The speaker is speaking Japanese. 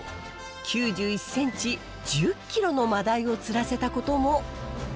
９１ｃｍ１０ｋｇのマダイを釣らせたことも。